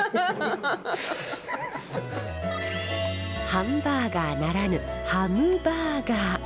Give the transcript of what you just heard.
ハンバーガーならぬハムバーガー。